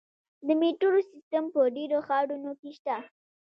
د میټرو سیستم په ډیرو ښارونو کې شته.